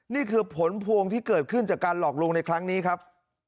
นี่คือผลพวงที่เกิดขึ้นจากการหลอกลวงในครั้งนี้ครับ